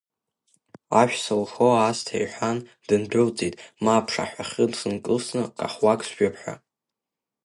Ашә сылхо аасҭа иҳәан, дындәылҵит, ма аԥшаҳәахьы сынкылсны каҳуак зжәып ҳәа.